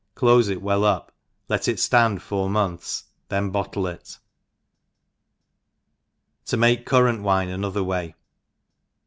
clofe it well up, let it ftand four months, then bottle it* To make Currant Wine another way.